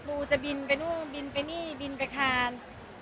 ปูจะบินไปนู่นบินไปนี่บินไปคาน